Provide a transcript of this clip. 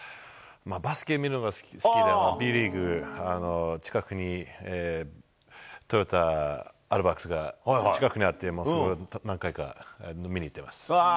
バスケ見るのが好きで、Ｂリーグ、近くにトヨタアルバックスが近くにあって、何回か見に行ってます。